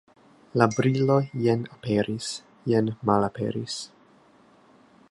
La brilo jen aperis, jen malaperis.